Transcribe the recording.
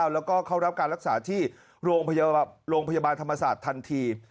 แล้วก็เข้ารับการรักษาที่โรงพยาบาลธรรมศาสตร์ทันที